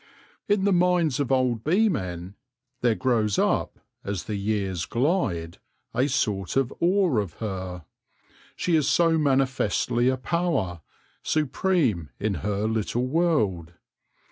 In the minds of old bee men there grows up, as the years glide, a sort of awe of her. She is so mani festly a power, supreme in her little world.